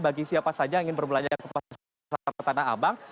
bagi siapa saja yang ingin berbelanja ke pasar tanah abang